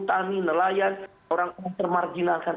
tani nelayan orang orang termarginalkan